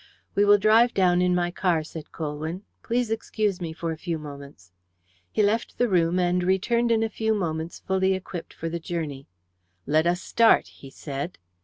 "We will drive down in my car," said Colwyn. "Please excuse me for a few moments." He left the room, and returned in a few moments fully equipped for the journey. "Let us start," he said.